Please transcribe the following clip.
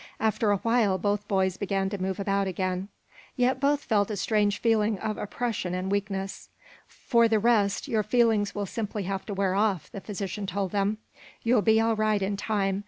After a while both boys began to move about again. Yet both felt a strange feeling of oppression and weakness. "For the rest, your feelings will simply have to wear off," the physician told them. "You'll be all right in time.